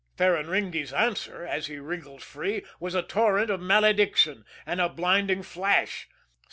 Ferraringi's answer, as he wriggled free, was a torrent of malediction and a blinding flash.